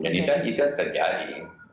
jadi kan itu terjadi